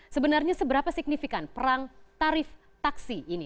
sebenarnya seberapa signifikan perang tarif taksi ini